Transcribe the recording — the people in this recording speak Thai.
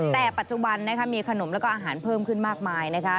แต่ปัจจุบันนะคะมีขนมแล้วก็อาหารเพิ่มขึ้นมากมายนะคะ